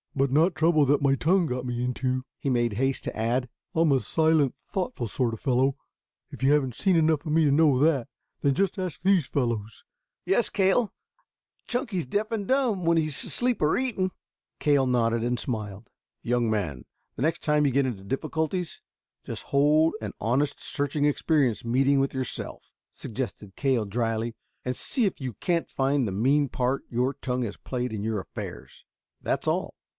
"But not trouble that my tongue got me into," he made haste to add. "I'm a silent, thoughtful sort of fellow. If you haven't seen enough of me to know that, then just ask these fellows." "Yes, Cale," cried Ned. "Chunky's deaf and dumb when he's asleep or eating." Cale nodded and smiled. "Young man, the next time you get into difficulties, just hold an honest, searching experience meeting with yourself," suggested Cale dryly, "and see if you can't find the mean part your tongue has played in your affairs. That's all."